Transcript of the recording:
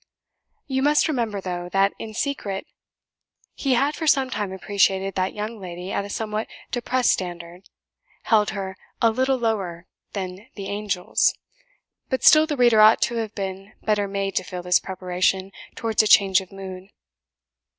You must remember, though, that in secret he had for some time appreciated that young lady at a somewhat depressed standard held her a LITTLE lower than the angels. But still the reader ought to have been better made to feel this preparation towards a change of mood.